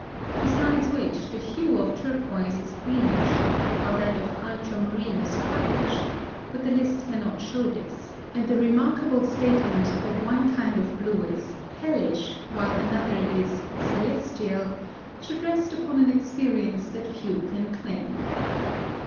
Besides which the hue of turquoise is greenish, while that of ultramarine is purplish, but the list cannot show this; and the remarkable statement that one kind of blue is "hellish," while another is "celestial," should rest upon an experience that few can claim.